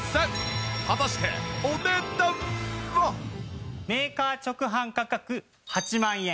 果たしてメーカー直販価格８万円。